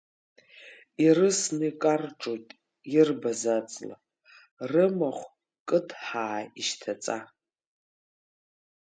Ирысны икарҿоит ирбаз аҵла, рымахә кыдҳаа ишьҭаҵа.